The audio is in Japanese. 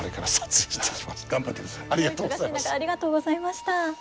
お忙しい中ありがとうございました。